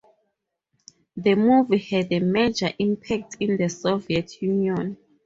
The movie had a major impact in the Soviet Union.